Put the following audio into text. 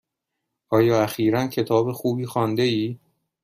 آیا اخیرا کتاب خوبی خوانده ای؟